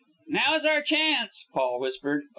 "Now's our chance!" Paul whispered.